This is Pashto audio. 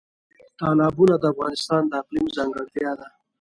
تالابونه د افغانستان د اقلیم ځانګړتیا ده.